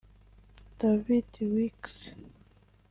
David Weeks